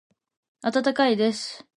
温かいです。